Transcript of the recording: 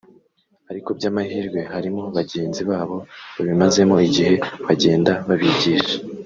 ariko by’amahirwe harimo bagenzi babo babimazemo igihe bagenda babigisha